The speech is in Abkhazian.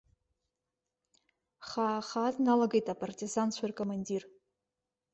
Хаа-хаа дналагеит апартизанцәа ркомандир.